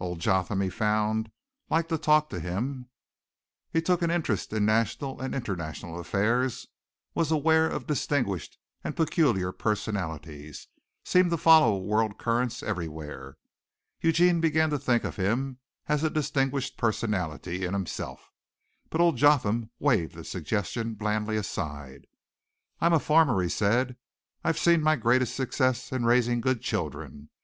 Old Jotham, he found, liked to talk to him. He took an interest in national and international affairs, was aware of distinguished and peculiar personalities, seemed to follow world currents everywhere. Eugene began to think of him as a distinguished personality in himself, but old Jotham waved the suggestion blandly aside. "I'm a farmer," he said. "I've seen my greatest success in raising good children.